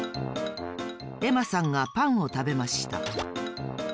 エマさんがパンを食べました。